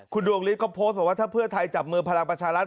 คุณดวงฤทธิก็โพสต์บอกว่าถ้าเพื่อไทยจับมือพลังประชารัฐ